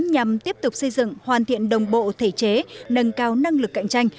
nhằm tiếp tục xây dựng hoàn thiện đồng bộ thể chế nâng cao năng lực cạnh tranh